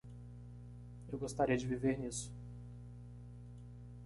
Eu gostaria de viver nisso.